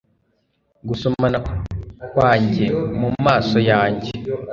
gusomana kwanjye mumaso yanjye